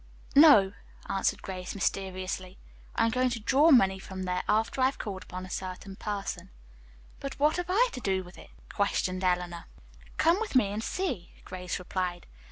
"No," answered Grace mysteriously. "I am going to draw money from there after I have called upon a certain person." "But what have I to do with it!" questioned Eleanor. "Come with me and see," Grace replied.